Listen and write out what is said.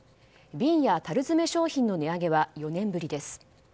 瓶や樽詰め商品の値上げは４年ぶりです。